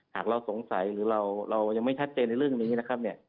หากเราสงสัยหรือเรายังไม่ชัดเจนในเรื่องนี้